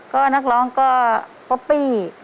ก็นักร้องก็ป๊อปปี้